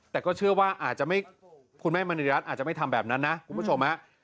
แต่ก็เชื่อว่าอาจจะไม่คุณแม่มณีรัฐอาจจะไม่ทำแบบนั้นนะคุณผู้ชมฮะ